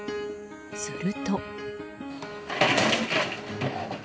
すると。